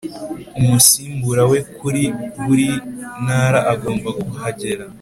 umusimbura we kuri buri ntara agomba kuhagera